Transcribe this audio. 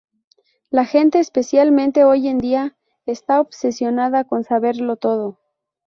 La gente, especialmente hoy en día, está obsesionada con saberlo todo".